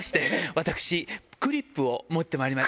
私、クリップを持ってまいりました。